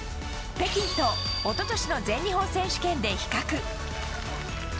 北京と一昨年の全日本選手権で比較。